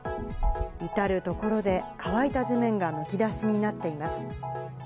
至る所で乾いた地面がむき出しになっています。